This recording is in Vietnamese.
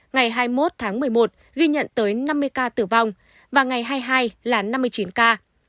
ngày hai mươi một tháng một mươi một ghi nhận tới năm mươi ca tử vong và ngày hai mươi hai là năm mươi chín ca